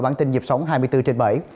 bản tin nhịp sống hai mươi bốn trên bảy